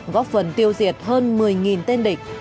góp phần tiêu diệt hơn một mươi tên địch